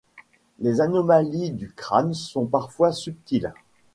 Les anomalies du crane sont parfois subtiles.